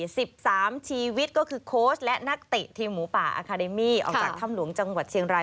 สิบสามชีวิตก็คือโค้ชและนักเตะทีมหมูป่าอาคาเดมี่ออกจากถ้ำหลวงจังหวัดเชียงราย